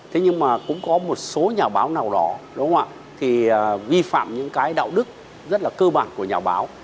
thế nhưng mà cũng có một số nhà báo nào đó đúng không ạ thì vi phạm những cái đạo đức rất là cơ bản của nhà báo